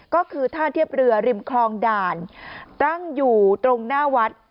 ก็คือท่าเทียบเรือริมคลองด่านตั้งอยู่ตรงหน้าวัด